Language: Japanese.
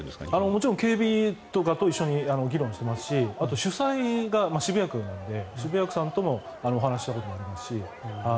もちろん警備とかと一緒に議論していますしあとは主催が渋谷区なので渋谷区さんともお話をしますし。